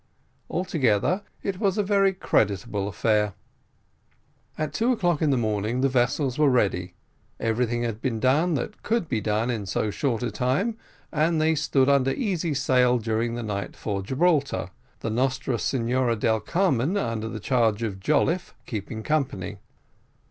Altogether, it was a very creditable affair. At two o'clock in the morning, the vessels were ready, everything had been done that could be done in so short a time, and they stood under easy sail during the night for Gibraltar, the Nostra Senora del Carmen, under the charge of Jolliffe, keeping company.